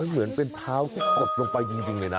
เหมือนเป็นเท้าที่กดลงไปจริงเลยนะ